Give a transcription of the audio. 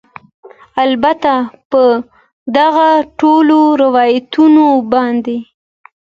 البته په دغه ټولو روایتونو باندې